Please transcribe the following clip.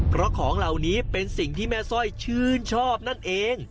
เพราะของเหล่านี้เป็นสิ่งที่แม่สร้อยชื่นชอบนั่นเอง